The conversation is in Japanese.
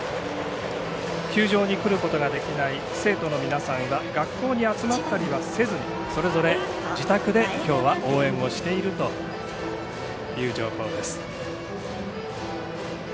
球場に来ることができない生徒の皆さんは学校に集まったりはせずにそれぞれ自宅できょうは応援しているという情報です。